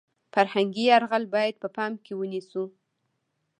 فرهنګي یرغل باید په پام کې ونیسو .